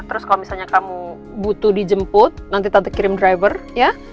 terus kalau misalnya kamu butuh dijemput nanti kirim driver ya